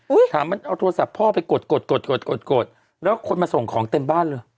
ถามมันเอาโทรศัพท์พ่อไปกดกดกดกดกดแล้วคนมาส่งของเต็มบ้านเลย